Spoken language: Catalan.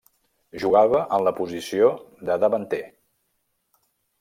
Jugava en la posició de davanter.